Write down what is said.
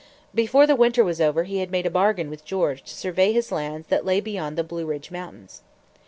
Before the winter was over he had made a bargain with George to survey his lands that lay beyond the Blue Ridge mountains.